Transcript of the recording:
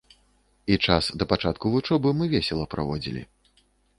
І час да пачатку вучобы мы весела праводзілі.